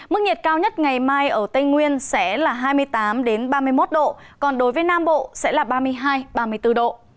mức nhiệt cao nhất ngày mai ở tây nguyên sẽ là hai mươi tám ba mươi một độ còn đối với nam bộ sẽ là ba mươi hai ba mươi bốn độ